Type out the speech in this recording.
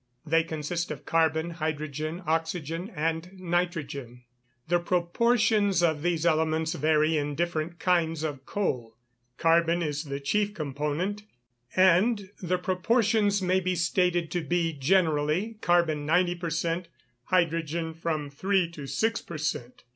_ They consist of carbon, hydrogen, oxygen, and nitrogen. The proportions of these elements vary in different kinds of coal. Carbon is the chief component; and the proportions may be stated to be, generally, carbon, 90 per cent.; hydrogen, from 3 to 6 per cent.